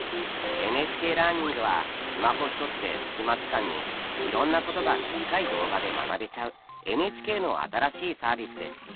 「ＮＨＫラーニング」はスマホ一つでスキマ時間にいろんなことが短い動画で学べちゃうＮＨＫの新しいサービスです。